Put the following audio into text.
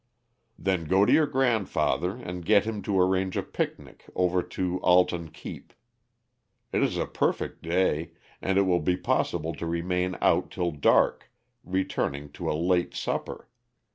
"Then go to your grandfather and get him to arrange a picnic over to Alton Keep. It is a perfect day, and it will be possible to remain out till dark, returning to a late supper.